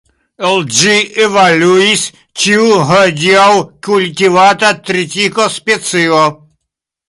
El ĝi evoluis ĉiu hodiaŭ kultivata tritiko-specio.